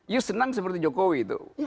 you senang seperti jokowi itu